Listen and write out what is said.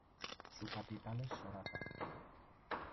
Su capital es Sorata.